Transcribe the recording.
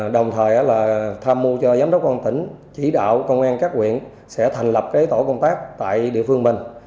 đồng thời tham mưu cho giám đốc công an tỉnh chỉ đạo công an các quyện sẽ thành lập tổ công tác tại địa phương mình